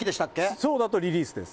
そうだとリリースです。